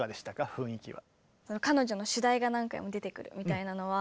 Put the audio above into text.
雰囲気は。